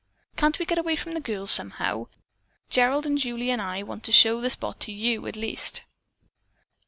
Can't we get away from the girls somehow? Gerald and Julie and I want to show the spot to you at least."